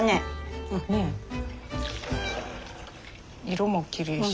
色もきれいし。